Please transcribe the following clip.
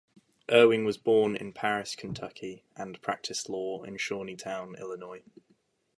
Ewing was born in Paris, Kentucky and practiced law in Shawneetown, Illinois.